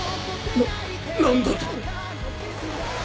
な何だと？